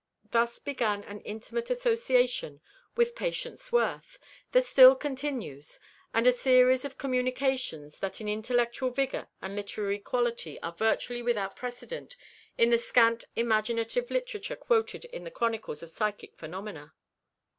Thus began an intimate association with "Patience Worth" that still continues, and a series of communications that in intellectual vigor and literary quality are virtually without precedent in the scant imaginative literature quoted in the chronicles of psychic phenomena.